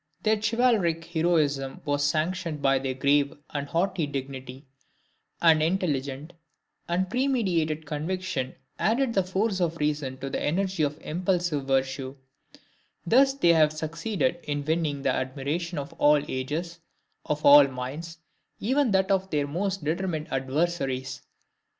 Their chivalric heroism was sanctioned by their grave and haughty dignity; an intelligent and premeditated conviction added the force of reason to the energy of impulsive virtue; thus they have succeeded in winning the admiration of all ages, of all minds, even that of their most determined adversaries.